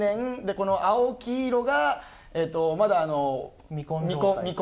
この青黄色がまだ未婚。